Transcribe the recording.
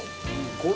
これ。